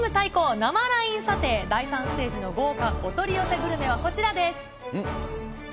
生ＬＩＮＥ査定、第３ステージの豪華お取り寄せグルメはこちらです。